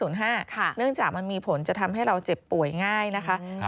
เนื่องจากมันมีผลจะทำให้เราเจ็บป่วยง่ายนะคะ